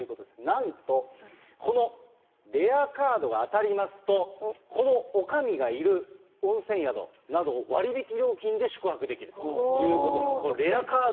なんと、このレアカードが当たりますと、このおかみがいる温泉宿などを割引料金で宿泊できるということなんです。